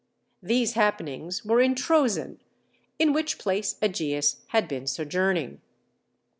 These happenings were in Troezen, in which place Ægeus had been sojourning.